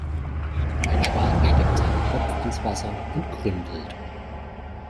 Ein Schwan steckt seinen Kopf ins Wasser und gründelt.